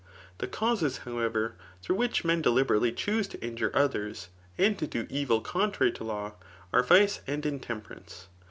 The causes, however, through which men deliberately chuse to injure others, and to do evil contrary to law, are vice and intemperance.